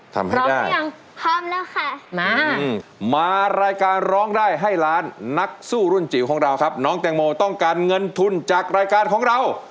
ทำให้ได้พร้อมหรือยัง